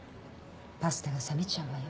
パスタが冷めちゃうわよ。